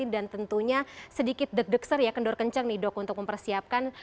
dan tentunya sedikit deg deg ser ya kendor kencang untuk mempersiapkan